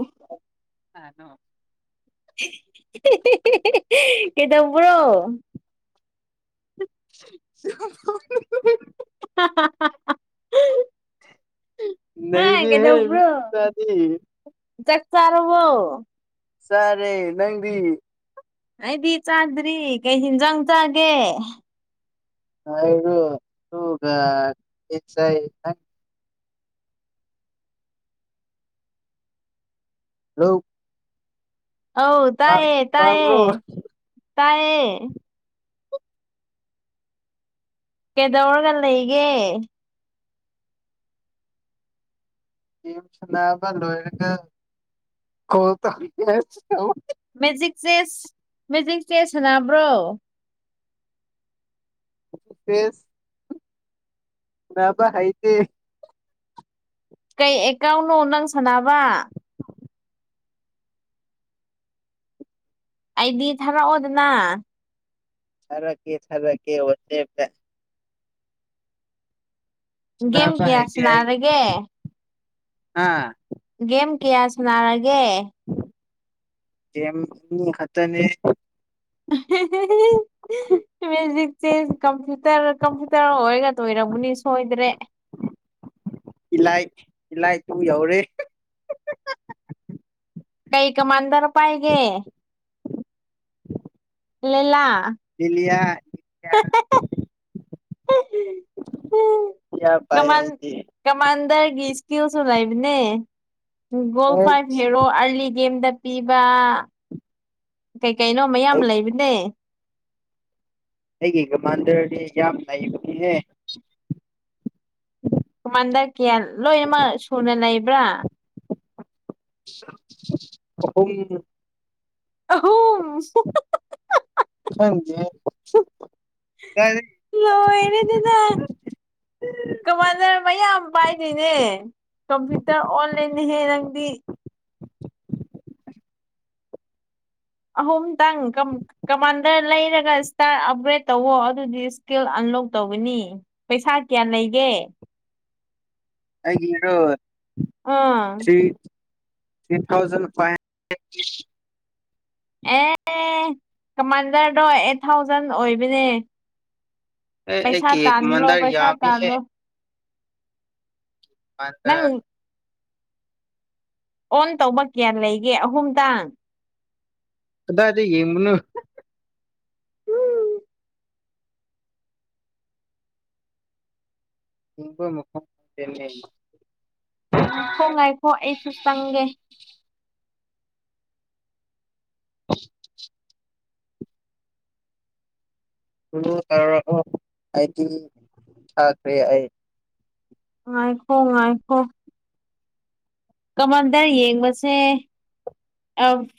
ꯎ ꯑꯅꯣ ꯀꯗ ꯄꯨ꯭ꯔꯣ [unintelligible] [unintelligible] ꯅꯩꯔꯦꯍꯦ ꯃꯤ ꯍꯦꯗꯕ꯭ꯔꯣ ꯃꯆꯥꯗꯤ ꯆ ꯆꯔꯑꯣꯣ ꯁꯔꯦ ꯅꯪꯗꯤ ꯑꯩꯗꯤ ꯆꯥꯗ꯭ꯔꯤ ꯀꯩꯁꯤꯅ ꯆꯪ ꯆꯒꯦ ꯣ ꯇꯒꯥꯏꯪ ꯍꯣ ꯑꯧ ꯇꯥꯏꯌꯦ ꯇꯥꯏꯌꯦ ꯇꯥꯕ꯭ꯔꯣ ꯇꯥꯏꯌꯦ ꯀꯩꯗꯧꯔꯒ ꯂꯩꯒꯦ ꯌꯦ ꯁꯅꯕ ꯂꯣꯔꯒ ꯀꯣ ꯇ ꯦꯛ ꯆ ꯃꯦꯖꯤꯛ ꯆꯦꯁ ꯁꯅꯕ꯭ꯔꯣ ꯐꯦꯁ ꯕ ꯍꯥꯏꯗꯤ ꯀꯩ ꯑꯦꯀꯥꯎꯅꯣ ꯅꯪ ꯁꯥꯟꯅꯕ ꯑꯩꯗꯤ ꯊꯥꯔꯛꯑꯣꯗꯅ ꯁꯔ ꯀꯦ ꯁꯔ ꯀꯦꯁꯦ ꯒꯦꯝ ꯀꯌꯥ ꯍꯥꯏ ꯍꯥꯏ ꯁꯥꯟꯅꯔꯒꯦ ꯑꯥ ꯒꯦꯝ ꯀꯌꯥ ꯁꯅꯔꯒꯦ ꯀ ꯈꯛꯇꯅꯦ [unintelligible] ꯃꯦꯖꯤ ꯆ ꯀꯝꯄꯌꯨꯇꯔ ꯀꯝꯄ꯭ꯌꯨꯇꯔ ꯑꯣꯏꯔꯒ ꯇꯣꯏꯔꯃꯅꯤ ꯁꯣꯏꯗ꯭ꯔꯦ ꯏꯂꯥꯏ ꯏꯂꯥꯏ ꯇꯨ ꯌꯧꯔꯦ ꯀꯩ ꯀꯃꯥꯟꯗꯔ ꯄꯥꯏꯒꯦ ꯂꯩꯦꯂꯥꯛ ꯂꯂꯤꯌꯥ ꯌꯥ ꯂꯤꯂꯤꯌꯥ ꯄꯥꯏ ꯀꯃꯥꯟ ꯑꯩꯗꯤ ꯀꯃꯥꯟꯗꯔ ꯣ ꯐꯔꯣ ꯄꯤꯕ ꯀꯩ ꯀꯩꯅꯣ ꯃꯌꯥꯝ ꯂꯩꯕꯅꯦ ꯑꯩꯒꯤꯒꯃꯥꯟꯗꯔꯗꯤ ꯌꯥꯝ ꯂꯩꯕꯅꯤꯍꯦ ꯀꯃꯟꯗꯔ ꯀꯌꯥ ꯂꯣꯏꯅꯃꯛ ꯁꯨꯅ ꯂꯩꯕ꯭ꯔꯥ ꯑꯨꯝ ꯍ ꯍꯪ ꯀ ꯀꯃꯥꯟꯅꯔ ꯃꯌꯥꯝ ꯄꯥꯏꯗꯣꯏꯅꯦ ꯀꯝꯄ꯭ꯌꯨꯇꯔ ꯑꯣꯟꯂꯥꯏꯟꯍꯦ ꯅꯪꯗꯤ ꯑꯍꯨꯝꯇꯪ ꯀꯃꯥꯟꯗꯔ ꯂꯩꯔꯒ ꯏꯁꯇꯥꯔ ꯑꯞꯒ꯭ꯔꯦꯗ ꯇꯧꯋꯣ ꯑꯗꯨꯗꯤ ꯏꯁꯀꯤꯜ ꯂꯣꯛ ꯇꯧꯧꯕꯅꯤ ꯄꯩꯁꯥ ꯀꯌꯥ ꯂꯩꯒꯦ ꯑꯩꯔꯣ ꯑꯥ ꯊ꯭ꯔꯤ ꯊꯥꯎꯖꯟ ꯐꯥꯏꯚ ꯍꯟꯗ꯭ꯔꯦꯠ ꯑꯦ ꯀꯃꯥꯟꯗꯔꯗꯣ ꯑꯩꯠ ꯊꯥꯎꯖꯟ ꯑꯣꯏꯕꯅꯦ ꯑꯦ ꯄꯩꯁꯥ ꯑꯩꯒꯤ ꯇꯥꯥꯟꯂꯣ ꯀꯃꯥꯟꯗꯔ ꯄꯩꯁꯥ ꯌꯥꯝꯃꯤꯍꯦ ꯇꯥꯥꯟꯂꯣ ꯑꯗ ꯅꯪ ꯑꯣꯟ ꯇꯧꯕ ꯀꯌꯥ ꯂꯩꯒꯦ ꯑꯍꯨꯝꯇꯥꯡ ꯑꯗꯥꯗꯤ ꯦꯦꯝꯅ ꯏꯤꯡꯕꯝꯟꯅ ꯉꯥꯏꯈꯣ ꯉꯥꯏꯈꯣ ꯑꯩꯁꯨ ꯆꯪꯒꯦ [unintelligible] ꯇꯔ ꯑꯩꯗꯤ ꯊꯈ꯭ꯔꯦ ꯑꯩ ꯉꯥꯏꯈꯣ ꯍꯥꯏꯥꯏꯈꯣ ꯀꯃꯜꯗ ꯌꯦꯡꯕꯁꯦ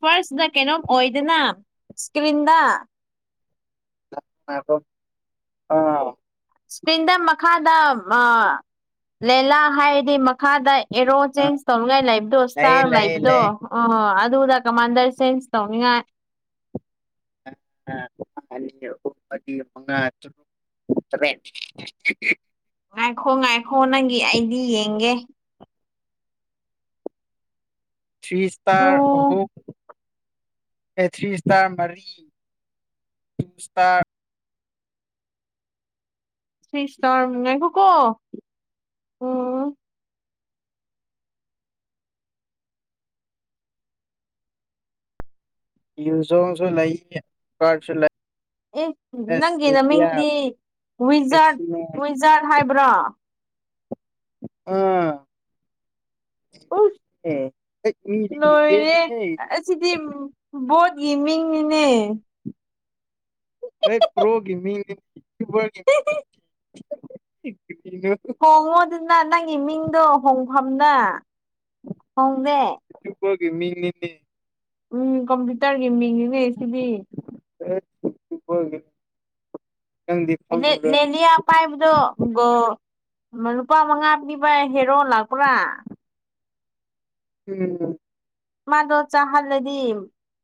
ꯐꯥꯔꯁꯇ ꯀꯩꯅꯣꯝ ꯑꯣꯏꯗꯅ ꯏꯁꯀ꯭ꯔꯤꯟꯗ ꯣ ꯑꯥ ꯏꯁꯄꯤꯟꯗ ꯃꯈꯥꯗ ꯂꯦꯂꯥ ꯍꯥꯏꯗꯤ ꯃꯈꯥꯗ ꯑꯦꯔꯣ ꯑꯥ ꯆꯦꯟꯖ ꯇꯧꯅꯤꯡꯉꯥꯏ ꯂꯩꯕꯗꯣ ꯂꯩꯌꯦ ꯏꯁꯇꯥꯔ ꯂꯩꯌꯦ ꯂꯩꯕꯗꯣ ꯂꯩꯌꯦ ꯑ ꯗ ꯀ ꯃꯥꯁꯦꯟꯁꯇ ꯑ ꯃꯉꯃꯦ ꯉꯥꯏꯈꯣ ꯉꯥꯏꯈꯣ ꯅꯪꯒꯤ ꯑꯩꯗꯤ ꯌꯦꯡꯒꯦ ꯊ꯭ꯔꯤ ꯏꯁꯇꯔ ꯍꯣ ꯎꯝ ꯄꯦꯊ꯭ꯔꯤ ꯏꯁꯇꯥꯔ ꯃꯔꯤ ꯇꯨ ꯏꯁꯇꯥꯔ ꯁꯁꯇꯔꯈꯣ ꯀꯣ ꯎꯝ ꯌꯖꯣꯁꯨ ꯂꯩꯥꯏꯌꯦ ꯀꯥꯁꯨ ꯂꯩ ꯑꯦ ꯑꯁ ꯅꯪꯒꯤ ꯏꯟꯗꯤꯌꯥ ꯃꯃꯤꯡꯗꯤ ꯤꯖꯥꯠ ꯄꯤꯛꯁꯤꯅꯦ ꯋꯤꯖꯥꯠ ꯍꯥꯏꯕ꯭ꯔꯣ ꯑꯥ ꯑꯦ ꯍꯦꯛ ꯃꯤꯗꯤ ꯅꯣꯏꯣꯏꯅꯦ ꯂꯤꯖꯦꯟꯅꯤꯍꯦ ꯑꯁꯤꯁꯤꯗꯤꯣ ꯃꯤꯡꯅꯦ ꯑꯩ ꯄ꯭ꯔꯣꯒꯦꯕ ꯍꯣꯡꯉꯣꯗꯨꯅ ꯅꯪꯒꯤ ꯃꯤꯡꯗꯣ ꯍꯣꯡꯐꯝꯅ ꯍꯅꯦꯦ ꯦ ꯃꯤꯅꯤꯅꯤ ꯎꯝ ꯀꯝꯄ꯭ꯌꯨꯇꯔꯒꯤ ꯃꯤꯡꯅꯤꯅꯦ ꯁꯤꯗꯤ ꯑꯦꯄꯒ ꯅꯦꯅꯤꯌꯥ ꯄꯥꯏꯕꯗ ꯂꯨꯄꯥ ꯃꯉꯥ ꯄꯤꯕ ꯍꯦꯔꯣ ꯂꯥꯛꯄ꯭ꯔꯥ ꯎꯝ ꯃꯥꯗꯣ ꯆꯥꯍꯜꯂꯗꯤ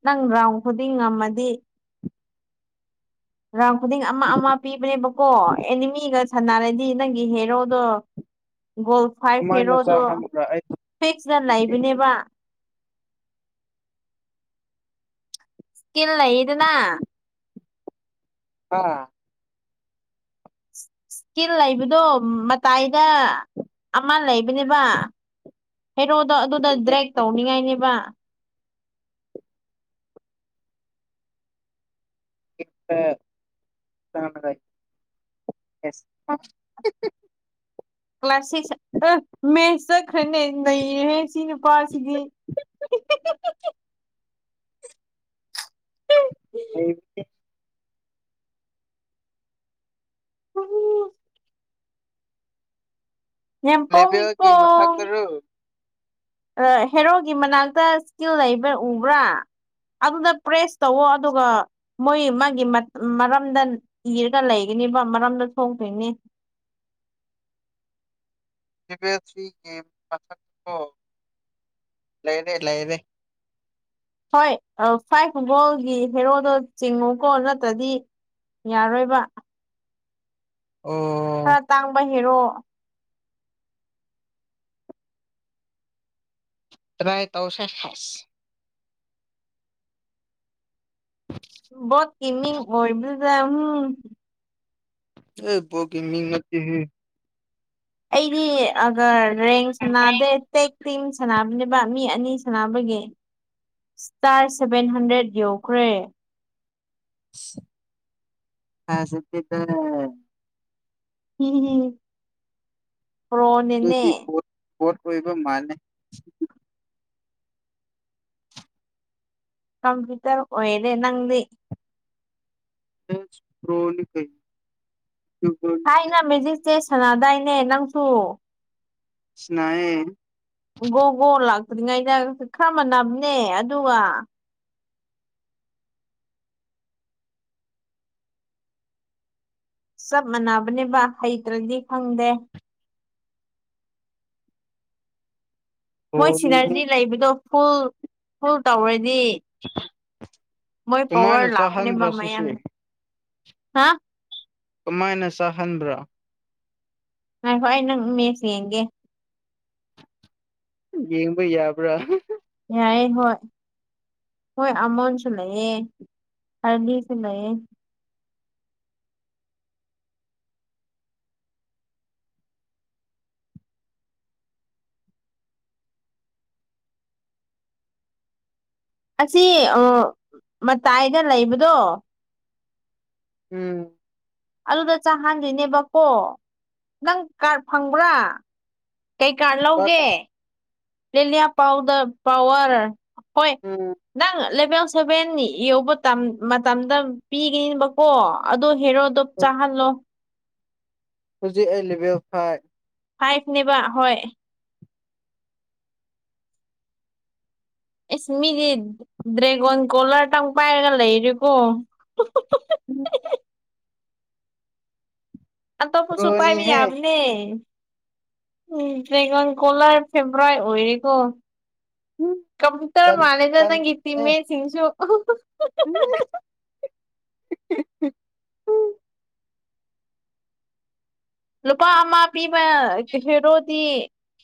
ꯅꯪ ꯔꯒ꯭ꯔꯥꯎꯟ ꯈꯨꯗꯤꯡ ꯉꯝꯃꯗꯤ ꯔꯥꯎꯟ ꯈꯨꯗꯤꯡ ꯑꯃ ꯑꯃ ꯄꯤꯕꯅꯦꯕꯀꯣ ꯑꯦꯅꯤꯃꯤꯒ ꯁꯅꯥꯔꯗꯤ ꯅꯪꯒꯤ ꯍꯦꯔꯣꯗꯣ ꯒꯣꯜ ꯐꯥꯏ ꯀꯃꯥꯏꯅ ꯍꯦꯔꯣꯗꯣ ꯆꯥꯍꯟꯕ꯭ꯔꯥ ꯑꯩ ꯐꯤꯦꯛꯁꯇ ꯈꯪꯗꯦ ꯂꯩꯕꯅꯦꯕ ꯏꯁꯀꯤꯜ ꯂꯩ ꯏꯗꯅ ꯑꯥ ꯏꯁꯀꯤꯜ ꯂꯩꯕꯗꯣ ꯃꯇꯥꯏꯗ ꯑꯃ ꯂꯩꯕꯅꯦꯕ ꯍꯦꯔꯣꯗꯣ ꯑꯗꯨꯗ ꯗ꯭ꯔꯦꯛ ꯇꯧꯅꯤꯡꯉꯥꯏꯅꯦꯕ ꯏꯠꯇ ꯁꯅ ꯌꯦꯁ ꯀ꯭ꯂ꯭ꯂꯥꯁꯁ ꯑ ꯃ ꯆ ꯈꯅꯦ ꯅꯩꯅ ꯏ ꯅꯨꯄꯥꯁꯤꯒꯤ ꯎꯝ ꯌꯦ ꯂꯦꯚꯦꯜꯒꯤ ꯄꯥꯎꯉꯄꯣ ꯃꯊꯛꯇꯔꯣ ꯍꯦꯔꯣꯒꯤ ꯃꯅꯥꯛꯇ ꯏꯁꯀꯤꯜ ꯂꯩꯕ ꯎꯕ꯭ꯔꯥ ꯑꯗꯨꯗ ꯄ꯭ꯔꯦꯁ ꯇꯧꯋꯣ ꯑꯗꯨꯒ ꯃꯣꯏ ꯃꯥꯒꯤ ꯃꯔꯝꯗ ꯏꯔꯒ ꯂꯩꯒꯅꯤ ꯅꯤꯕ ꯃꯔꯝꯗ ꯊꯣꯛꯣꯡꯗꯣꯏꯅꯦ [unintelligible] ꯊꯒꯤ ꯃꯊ ꯂꯩꯔꯦ ꯂꯩꯔꯦ ꯍꯣꯏ ꯐꯥꯏꯚ ꯒꯣꯜꯒꯤ ꯍꯦꯔꯣꯗꯣ ꯆꯤꯡꯉꯨꯀꯣ ꯅꯠꯇ꯭ꯔꯗꯤ ꯌꯥꯔꯣꯏꯕ ꯑꯣ ꯈꯔ ꯇꯥꯡꯕ ꯍꯦꯔꯣ ꯔꯥꯏ ꯇꯧꯁꯥ ꯍꯥꯁ ꯣ ꯀꯤꯃꯤꯡ ꯑꯣꯏꯕꯨꯖ ꯎꯝ ꯑꯦ ꯄꯣꯛꯒꯤ ꯃꯤ ꯉꯠꯇ ꯍ ꯑꯩꯗꯤ ꯑꯒ ꯔꯔꯦꯡ ꯁꯅꯥꯗ ꯇꯦꯛ ꯇꯤꯝ ꯁꯥꯟꯅꯕꯅꯦꯕ ꯃꯤ ꯑꯅꯤ ꯁꯥꯟꯅꯕꯒꯤ ꯁ꯭ꯇꯥꯔ ꯁꯚꯦꯟ ꯍꯟꯗ꯭ꯔꯦꯠ ꯌꯧꯈ꯭ꯔꯦ ꯍ ꯁꯗꯤꯗ ꯝ ꯔꯣꯅꯤꯅꯦ ꯀꯣꯠ ꯑꯣꯏꯕ ꯃꯥꯜꯦ ꯀꯝꯄ꯭ꯌꯨꯇꯔ ꯑꯣꯏꯔꯦ ꯅꯪꯗꯤ ꯇꯆ ꯄ꯭ꯔꯣꯂꯤ ꯀꯩ ꯍꯥꯏꯅ ꯃꯦꯖꯤꯛꯁꯦ ꯁꯅꯥꯗꯥꯏꯅꯦ ꯅꯪꯁꯨ ꯁꯅꯥꯑꯦ ꯒꯣ ꯒꯣ ꯂꯥꯛꯇ꯭ꯔꯤꯉꯩꯗ ꯈꯔ ꯃꯥꯟꯅꯕꯅꯦ ꯑꯗꯨꯒ ꯆꯞ ꯃꯥꯟꯅꯕꯅꯦꯕ ꯍꯩꯇ꯭ꯔꯗꯤ ꯈꯪꯗꯦ ꯃꯣꯏ ꯕꯣꯜꯅꯤꯍꯦ ꯁꯤꯅꯔꯖꯤ ꯂꯩꯕꯗꯣ ꯐꯨꯜ ꯐꯨꯜ ꯇꯧꯔꯗꯤ ꯃꯣꯏ ꯀꯃꯥꯏꯅ ꯄꯕꯔ ꯂꯥꯈꯅꯦꯕ ꯆꯥꯍꯟꯕ꯭ꯔꯥ ꯁꯤꯁꯦ ꯃꯥꯏꯅ ꯍꯥ ꯀꯃꯥꯏꯅ ꯆꯥꯍꯟꯕ꯭ꯔꯥ ꯉ ꯍꯣꯏ ꯑꯩ ꯅꯪ ꯃꯁ ꯌꯦꯡꯒꯦ ꯌꯦꯡꯕ ꯌꯥꯕ꯭ꯔꯥ ꯌꯥꯌꯦ ꯍꯣꯏ ꯍꯣꯏ ꯑꯃꯣꯟꯁꯨ ꯂꯩꯑ ꯍꯔꯂꯤꯁꯨ ꯂꯩꯑ ꯑꯁꯤ ꯃꯇꯥꯏꯗ ꯂꯩꯕꯗꯣ ꯎꯝ ꯑꯗꯨꯗ ꯆꯥꯍꯟꯗ꯭ꯔꯤꯅꯦꯕꯀꯣ ꯅꯪ ꯀꯥꯔꯠ ꯐꯪꯕ꯭ꯔꯥ ꯀꯩꯀꯥꯔ ꯂꯧꯒꯦ ꯂꯂꯤꯌꯥ ꯄꯥꯎꯗꯔ ꯄꯋꯥꯔ ꯍꯣꯏ ꯎꯝ ꯅꯪ ꯂꯕ ꯁꯚꯦꯟ ꯌꯧꯕ ꯃꯇꯝꯗ ꯄꯤꯒꯅꯤꯕꯀꯣ ꯑꯗ ꯍꯦꯔꯣꯗꯞ ꯆꯥꯍꯜꯂꯣ ꯍꯧꯖꯤ ꯑꯕ ꯐꯥꯏ ꯐꯥꯏꯚꯅꯦꯕ ꯍ ꯑꯦꯁ ꯃꯤꯗꯤ ꯗ꯭ꯔꯦꯒꯣꯟ ꯀꯣꯂꯥꯔꯇꯪ ꯄꯥꯏꯔꯒ ꯂꯩꯔꯦꯀꯣ ꯑꯇ ꯄꯨꯁꯨ ꯎ ꯄꯥꯏꯃꯦ ꯄ꯭ꯔꯣꯅꯤꯍꯦ ꯎꯝ ꯗ꯭ꯔꯦꯒꯟ ꯀꯣꯂꯔ ꯐꯦꯕ꯭ꯔꯋꯥꯥꯏ ꯑꯣꯏꯔꯦꯀꯣ ꯀꯝꯇꯔ ꯀꯟ ꯃꯥꯅꯦꯗ ꯅꯪꯒꯤꯤꯇ ꯃ ꯆꯤꯡꯁꯨ ꯎꯝ ꯂꯨꯄꯥ ꯑꯃ ꯄꯤꯕ ꯀ ꯍꯦꯔꯣꯗꯤ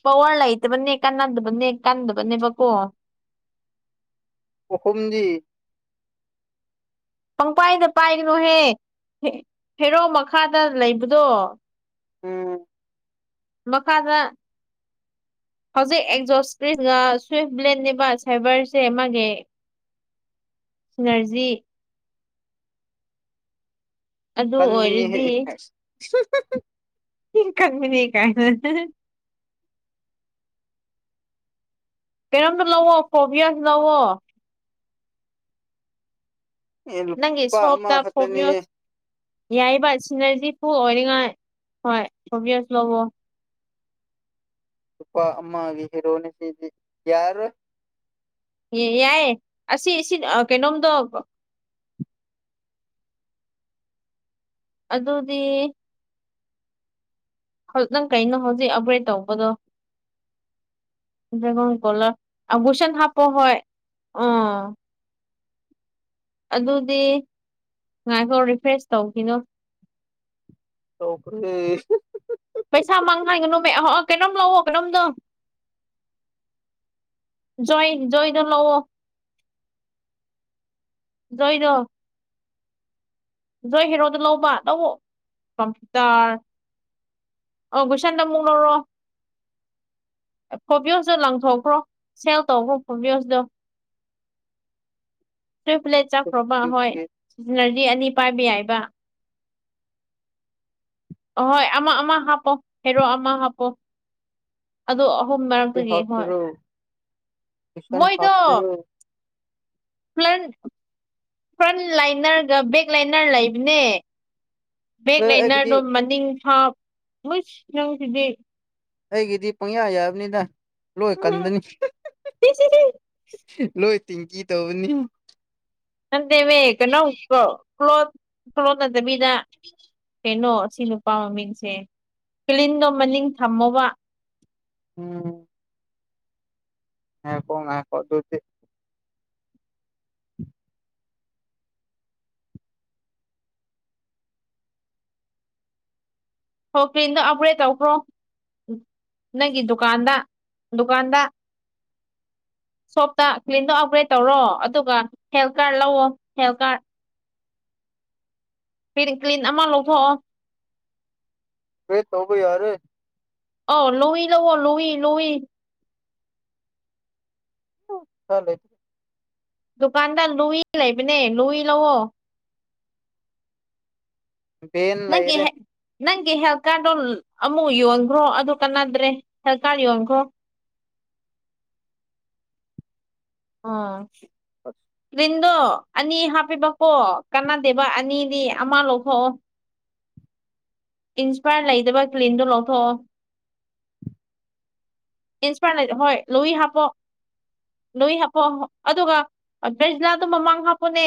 ꯄꯋꯥꯔ ꯂꯩꯇꯕꯅꯦ ꯀꯥꯟꯅꯗꯕꯅꯦ ꯀꯟꯗꯕꯅꯦꯕꯀꯣ ꯀꯍꯨꯝꯖꯤ ꯄꯪꯄꯥꯏꯗ ꯄꯥꯏꯔꯤꯅꯨꯍꯦ ꯍꯦꯔꯧ ꯃꯈꯥꯗ ꯂꯩꯕꯗꯣ ꯎꯝ ꯃꯈꯥꯗ ꯍꯧꯖꯤꯛ ꯑꯦꯛꯖꯣꯁ ꯏꯁꯀ꯭ꯔꯤꯟꯒ ꯁ꯭ꯋꯤꯐ ꯕ꯭ꯂꯦꯟꯅꯤꯕ ꯁꯥꯏꯕꯔꯁꯦ ꯃꯥꯒꯤ ꯁꯨꯅꯔꯖꯤ ꯑꯗꯨ ꯀꯟꯅꯤ ꯑꯣꯏꯔꯗꯤ ꯏ ꯀꯃꯤꯅꯦ ꯀꯥꯏ ꯄꯦꯔꯝ ꯂꯋꯣ ꯐꯣꯚꯌꯥꯁ ꯂꯋꯣ ꯑꯦ ꯅꯪꯒꯤ ꯂꯨꯄꯥ ꯑꯃ ꯁꯣꯞꯇ ꯐꯣꯕꯤꯌꯣ ꯈꯛꯇꯅꯤꯍꯦ ꯌꯥꯏꯕ ꯁꯤꯅꯔꯖꯤ ꯍ ꯑꯣꯏꯅꯤꯡꯉꯥꯏ ꯍꯣꯏ ꯁꯣꯕꯤꯁꯨ ꯂꯧꯕꯣ ꯄꯄꯥ ꯑꯝꯃꯥꯒꯤ ꯍꯔꯣꯅꯤꯁꯤꯗꯤ ꯌꯥꯔ ꯌꯥꯏꯌꯦ ꯑꯁꯤ ꯁꯤ ꯀꯩꯅꯣꯝꯗꯣ ꯑꯗꯨꯗꯤ ꯅꯪ ꯀꯩꯅꯣ ꯍꯧꯖꯤꯛ ꯑꯞꯒ꯭ꯔꯦꯗ ꯇꯧꯕꯗꯣ ꯒ ꯀꯣꯂ ꯑ ꯨꯁꯦꯟ ꯍꯄ ꯍ ꯑ ꯑꯗꯨꯗꯤ ꯉꯥꯏꯈꯧ ꯔꯤꯐ꯭ꯔꯦꯁ ꯇꯧꯈꯤꯅꯣ ꯇꯈ ꯄꯩꯁꯥ ꯃꯥꯡ ꯍꯥꯏꯒꯅꯨꯃꯦ ꯑ ꯀꯩꯅꯣꯝ ꯂꯥꯛꯑꯣ ꯀꯩꯅꯣꯝꯗꯣ ꯣꯏ ꯣꯏꯗ ꯂꯑꯣꯣ ꯣꯏꯗ ꯖꯣꯏ ꯍꯦꯔꯣꯗ ꯂꯧꯕ ꯂꯑꯣ ꯀꯝꯄꯌꯨꯇꯔ ꯑꯣꯕꯨꯣꯏꯁꯟꯗ ꯃꯨꯅꯔꯣ ꯐꯣꯚꯌꯣꯁꯇꯣ ꯂꯪꯊꯣꯛꯈ꯭ꯔꯣ ꯁꯦꯜ ꯇꯧꯕꯈ꯭ꯔꯣ ꯐꯣꯚꯌꯣꯁꯇꯣ ꯇꯨꯔꯤ ꯄ꯭ꯂꯦꯠ ꯆꯠꯈ꯭ꯔꯣꯕ ꯍꯣꯏ ꯁꯤꯖꯤꯅꯖꯤ ꯑꯅꯤ ꯄꯥꯏꯕ ꯌꯥꯏꯕ ꯑꯍꯣꯏ ꯑꯃ ꯑꯃ ꯍꯥꯞꯄꯣ ꯍꯦꯔꯣ ꯑꯃ ꯍꯥꯞꯄꯣ ꯑꯣ ꯑꯍꯨꯝ ꯃꯔꯝꯛꯇꯒꯤ ꯍꯣꯏ ꯃꯤꯁꯟ ꯃꯣꯏꯗꯣ ꯐꯊ꯭ꯔ ꯐ꯭ꯔꯟ ꯐ꯭ꯔꯟ ꯂꯥꯏꯅꯔꯒ ꯕꯦꯛ ꯂꯥꯏꯅꯔ ꯂꯩꯕꯅꯦ ꯕꯦꯦꯛ ꯑꯦ ꯂꯩꯅ ꯑꯩꯒꯤꯗꯤ ꯑꯗꯨꯝ ꯃꯅꯤꯡ ꯊꯥ ꯃꯣꯏ ꯅꯪꯁꯤꯗꯤ ꯑꯩꯒꯤꯗꯤ ꯄꯨꯡꯌꯥ ꯌꯥꯕꯅꯤꯗ ꯂꯣꯏ ꯀꯟꯕꯅꯤ ꯂꯣꯏ ꯇꯤꯡ ꯀ ꯇꯧꯕꯅꯤ ꯅ ꯃ ꯀꯅ ꯀ ꯀ꯭ꯂ꯭ꯂꯣ ꯀꯣꯊ ꯅ ꯃꯤꯗꯥ ꯑꯗꯨ ꯀꯩꯅꯣ ꯑꯁꯤ ꯅꯨꯄꯥ ꯃꯃꯤꯡꯁꯦ ꯀꯂꯤꯟꯗꯣ ꯃꯅꯤꯡ ꯊꯝꯃꯣꯕ ꯑꯣꯝ ꯍ ꯄꯨꯡ ꯑꯩ ꯀꯗꯗꯤ ꯍꯀꯦꯅ ꯑꯔꯦ ꯇꯧꯈ꯭ꯔꯣ ꯅꯪꯒꯤ ꯗꯨꯀꯥꯟꯗ ꯗꯨꯀꯥꯟꯗ [unintelligible] ꯁꯣꯞꯇ ꯀ꯭ꯂꯤꯟꯗꯣ ꯑꯞꯒ꯭ꯔꯦꯗ ꯇꯧꯔꯣ ꯑꯗꯨꯒ ꯍꯦꯜꯊ ꯀꯥꯔꯗ ꯂꯧꯑꯣꯣ ꯍꯦꯜꯊ ꯀꯥꯔꯠ ꯄꯟ ꯀ꯭ꯂꯤꯟ ꯑꯃ ꯂꯧꯊꯣꯛꯑꯣ ꯍꯦ ꯇꯧꯕ ꯌꯥꯔ ꯑꯣ ꯂꯨꯏ ꯂꯧꯕꯣ ꯂꯨꯏ ꯂꯨꯏ ꯆꯂꯦ ꯗꯨꯀꯥꯟꯗ ꯂꯨꯏ ꯂꯩꯕꯅꯦ ꯂꯨꯏ ꯂꯑꯣꯣ ꯟ ꯂꯩꯔꯦ ꯑꯩꯒꯤ ꯍꯦꯜꯊ ꯀꯥꯔꯗꯣ ꯑꯃꯨꯛ ꯌꯣꯟꯈ꯭ꯔꯣ ꯑꯗꯨ ꯀꯥꯟꯅꯗ꯭ꯔꯦ ꯍꯦꯜ ꯀꯥꯔꯠ ꯌꯣꯟꯈ꯭ꯔꯣ [unintelligible] ꯑꯥ ꯑ ꯇꯤꯟꯗꯣ ꯑꯅꯤ ꯍꯥꯞꯄꯤꯕꯀꯣ ꯀꯥꯟꯅꯗꯦꯕ ꯑꯅꯤꯗꯤ ꯑꯃ ꯂꯧꯊꯣꯛꯑꯣ ꯏꯟꯁꯄꯌꯔ ꯂꯩꯗꯕ ꯀ꯭ꯂꯤꯟꯗꯨꯣ ꯂꯧꯊꯣꯛꯑꯣ ꯏꯟꯁꯄꯔ ꯂꯩꯗ ꯍꯣꯏ ꯂꯣꯏ ꯍꯥꯞꯄꯣ ꯅꯣꯏ ꯍꯥꯄꯣꯣ ꯑꯗꯨꯒ ꯕ꯭ꯔꯖꯤꯂꯥꯗꯣ ꯃꯃꯥꯡ ꯍꯥꯞꯄꯣꯅꯦ